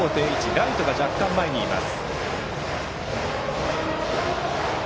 ライトが若干前にいます。